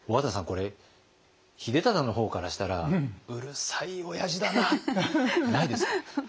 これ秀忠の方からしたらうるさいおやじだなないですか？